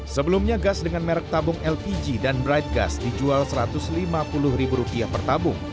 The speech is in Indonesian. sebelumnya gas dengan merek tabung lpg dan bright gas dijual rp satu ratus lima puluh per tabung